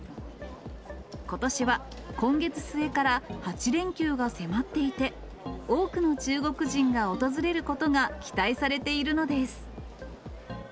ことしは、今月末から８連休が迫っていて、多くの中国人が訪れることが期待されているのです。